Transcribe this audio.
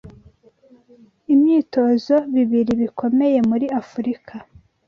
imyitozo bibiri bikomeye muri Afurika